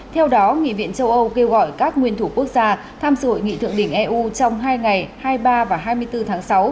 theo đó nghị viện châu âu kêu gọi các nguyên thủ quốc gia tham dự hội nghị thượng đỉnh eu trong hai ngày hai mươi ba và hai mươi bốn tháng sáu